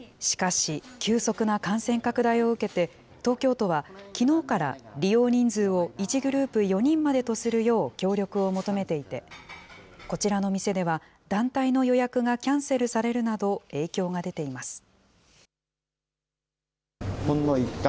しかし、急速な感染拡大を受けて、東京都はきのうから、利用人数を１グループ４人までとするよう協力を求めていて、こちらの店では、団体の予約がキャンセルされるなど、影響が出ています。